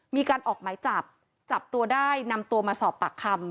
มีการออกหมายจับจับตัวได้นำตัวมาสอบปากคำ